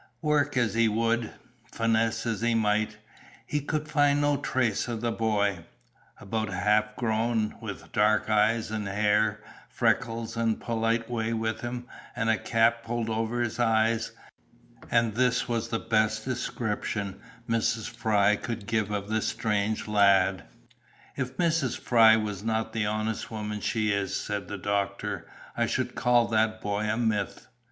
Work as he would, finesse as he might, he could find no trace of the boy, "about half grown, with dark eyes and hair, freckles, a polite way with him, and a cap pulled over his eyes," and this was the best description Mrs. Fry could give of the strange lad. "If Mrs. Fry was not the honest woman she is," said the doctor, "I should call that boy a myth.